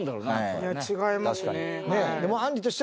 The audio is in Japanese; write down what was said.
いや違いますねはい。